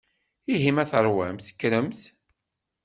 Ihi ma teṛwamt kkremt.